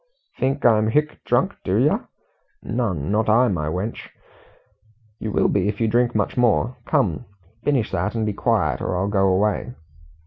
"Think I'm hic drunk, do yer? Nun not I, my wench." "You will be if you drink much more. Come, finish that and be quiet, or I'll go away."